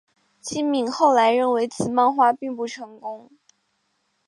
今敏后来认为此漫画并不成功。